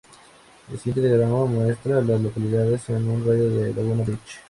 El siguiente diagrama muestra a las localidades en un radio de de Laguna Beach.